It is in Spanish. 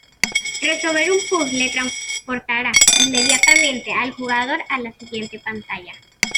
Resolver un puzzle transportará inmediatamente al jugador a la siguiente pantalla.